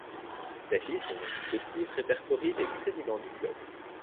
Cette liste non exhaustive répertorie les présidents du club.